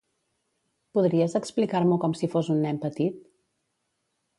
Podries explicar-m'ho com si fos un nen petit?